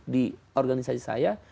di organisasi saya